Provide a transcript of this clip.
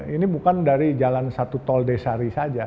ini bukan dari jalan satu tol desari saja